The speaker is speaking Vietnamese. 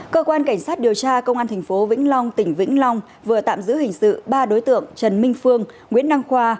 cơ quan cảnh sát điều tra công an tp vĩnh long tỉnh vĩnh long vừa tạm giữ hình sự ba đối tượng trần minh phương nguyễn đăng khoa